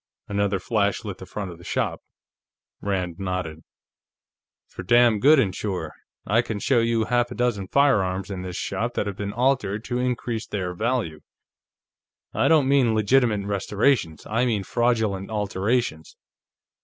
Another flash lit the front of the shop. Rand nodded. "For damn good and sure. I can show you half a dozen firearms in this shop that have been altered to increase their value. I don't mean legitimate restorations; I mean fraudulent alterations."